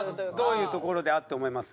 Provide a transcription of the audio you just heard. どういうところで「あっ！」って思います？